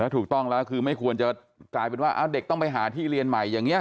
ถูกต้องแล้วคือไม่ควรจะกลายเป็นว่าเด็กต้องไปหาที่เรียนใหม่อย่างนี้